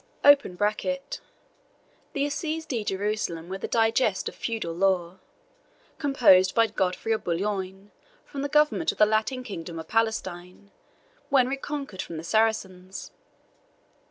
[The Assises de Jerusalem were the digest of feudal law, composed by Godfrey of Boulogne, for the government of the Latin kingdom of Palestine, when reconquered from the Saracens.